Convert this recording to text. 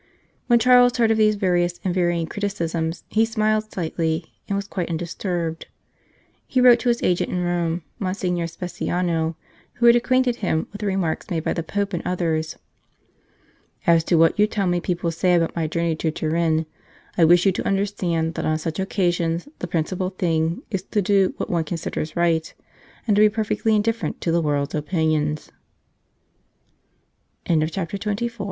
When Charles heard of these various and varying criticisms, he smiled slightly and was quite undis turbed. He wrote to his agent in Rome, Mon signor Speciano, who had acquainted him with the remarks made by the Pope and others : "As to what you tell me people say about my journey to Turin, I wish you to understand that on such occasions the principal thing is to do what one considers right, and to be perfectly indifferent to th